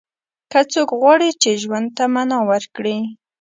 که څوک غواړي چې ژوند ته معنا ورکړي.